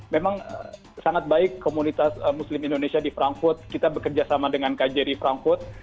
memang sangat baik komunitas muslim indonesia di frankfurt kita bekerja sama dengan kjri frankfurt